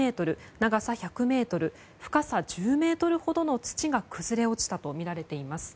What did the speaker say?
長さ１００ｍ深さ１０ｍほどの土が崩れ落ちたとみられています。